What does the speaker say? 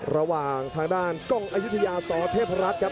ระหว่างทางด้านกล้องอายุทยาสเทพรัฐครับ